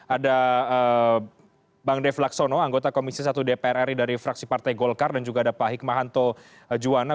ada bang dev laksono anggota komisi satu dpr ri dari fraksi partai golkar dan juga ada pak hikmahanto juwana